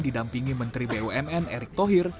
didampingi menteri bumn erick thohir